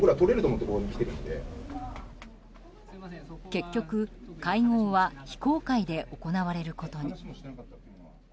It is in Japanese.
結局、会合は非公開で行われることに。